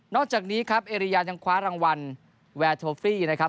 อกจากนี้ครับเอเรียยังคว้ารางวัลแวร์โทฟี่นะครับ